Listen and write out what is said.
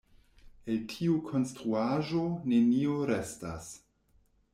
El tiu konstruaĵo, nenio restas.